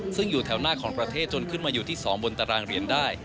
ซึ่งอยู่แถวหน้าของประเทศจนขึ้นมาอยู่ที่๒บนตารางเหรียญได้